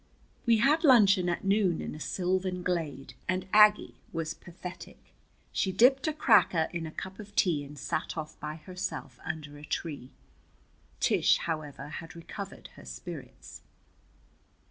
We had luncheon at noon in a sylvan glade, and Aggie was pathetic. She dipped a cracker in a cup of tea, and sat off by herself under a tree. Tish, however, had recovered her spirits.